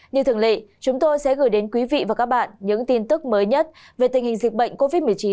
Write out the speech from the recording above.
như thường lệ chúng tôi sẽ gửi đến quý vị và các bạn những tin tức mới nhất về tình hình dịch bệnh covid một mươi chín